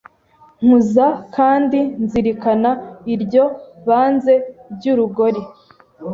Nkuza kandi nzirikana Iryo banze ry'urugori